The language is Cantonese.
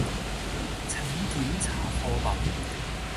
請檢查貨品